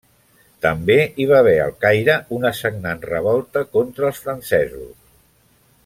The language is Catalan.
També hi va haver al Caire una sagnant revolta contra els francesos.